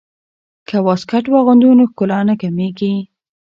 که واسکټ واغوندو نو ښکلا نه کمیږي.